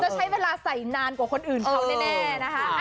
ใช้เวลาใส่นานกว่าคนอื่นเขาแน่นะคะ